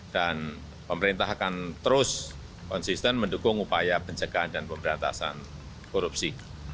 dan pemerintah akan terus konsisten mendukung upaya penjagaan dan pemberantasan korupsi